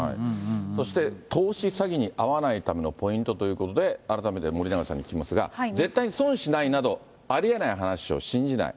そして投資詐欺に遭わないためのポイントということで、改めて森永さんに聞きますが、絶対に損しないなどありえない話を信じない。